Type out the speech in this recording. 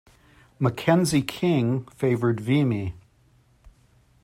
Mackenzie King favoured Vimy.